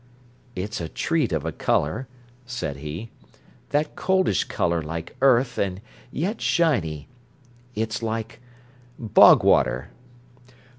"It's a treat of a colour," said he. "That coldish colour like earth, and yet shiny. It's like bog water."